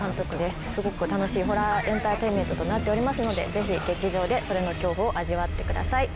すごく楽しいホラーエンターテインメントとなっておりますのでぜひ劇場で「それ」の恐怖を味わってください。